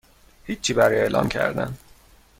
هیچی برای اعلام کردن